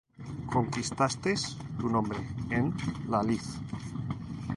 conquistastes tu nombre en la lid;